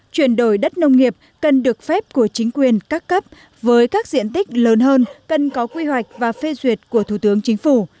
chuyển đổi đất nông nghiệp cần được phép của chính quyền các cấp với các diện tích lớn hơn cần có quy hoạch và phê duyệt của thủ tướng chính phủ